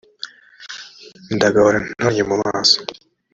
ndagahora ntonnye mu maso